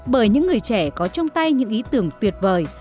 bởi những người trẻ có trong tay những ý tưởng tuyệt vời